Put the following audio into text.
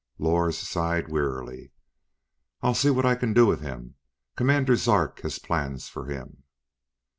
Lors sighed wearily. "I'll see what I can do with him. Commander Zark has plans for him."